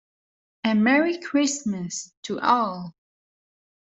A Merry Christmas to all!